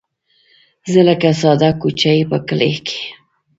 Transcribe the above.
زه لکه ساده کوچۍ په کلي کې